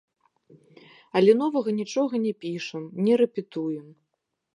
Але новага нічога не пішам, не рэпетуем.